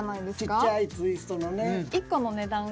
ちっちゃいツイストのね。